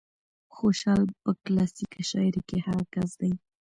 خوشال په کلاسيکه شاعرۍ کې هغه کس دى